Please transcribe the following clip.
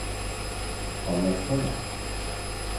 Anlatsana!